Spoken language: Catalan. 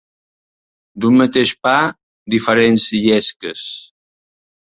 D'un mateix pa, diferents llesques.